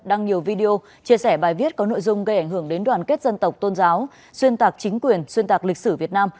đăng nhiều video chia sẻ bài viết có nội dung gây ảnh hưởng đến đoàn kết dân tộc tôn giáo xuyên tạc chính quyền xuyên tạc lịch sử việt nam